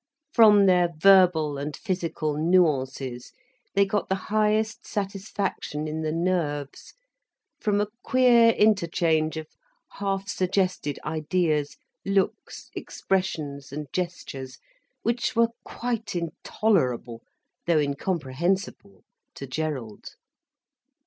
From their verbal and physical nuances they got the highest satisfaction in the nerves, from a queer interchange of half suggested ideas, looks, expressions and gestures, which were quite intolerable, though incomprehensible, to Gerald.